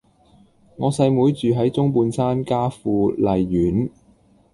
我細妹住喺中半山嘉富麗苑